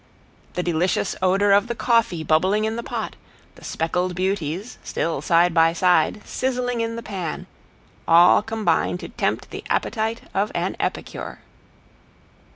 The delicious odor of the coffee bubbling in the pot, the speckled beauties, still side by side, sizzling in the pan, all combine to tempt the appetite of an epicure.